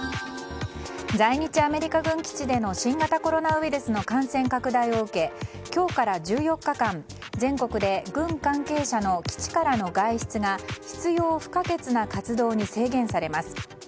在日アメリカ軍基地での新型コロナウイルスの感染拡大を受け今日から１４日間、全国で軍関係者の基地からの外出が必要不可欠な活動に制限されます。